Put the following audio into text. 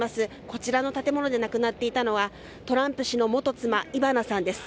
こちらの建物で亡くなっていたのはトランプ氏の元妻イバナさんです。